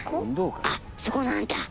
あっそこのあんた！